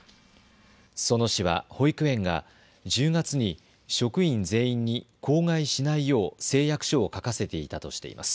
裾野市は保育園が１０月に職員全員に口外しないよう誓約書を書かせていたとしています。